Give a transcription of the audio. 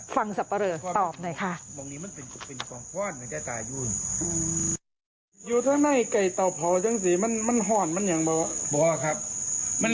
ฟังสับปะเริดตอบหน่อยค่ะ